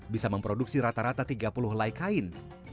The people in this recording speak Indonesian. bisa memproduksi rata rata tiga puluh like kain